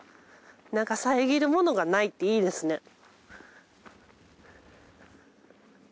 さえぎるものがないっていいですね。